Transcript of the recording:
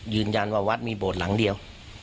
ยืนยันว่าวัดมีโบสถ์หลังเดียว